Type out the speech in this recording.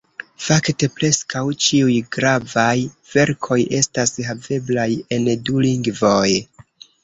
Fakte preskaŭ ĉiuj gravaj verkoj estas haveblaj en du lingvoj.